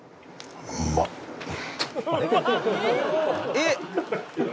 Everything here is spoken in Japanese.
「えっ！」